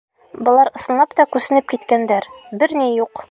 Былар ысынлап та күсенеп киткәндәр... бер ни юҡ!